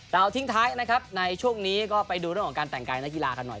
เราทิ้งท้ายนะครับในช่วงนี้ก็ไปดูเรื่องของการแต่งกายนักกีฬากันหน่อย